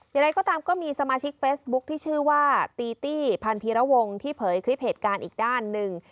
อย่างไรก็ตามก็มีสมาชิกเฟซบุ๊คที่ชื่อว่าตีตี้พันธีระวงที่เผยคลิปเหตุการณ์อีกด้านหนึ่ง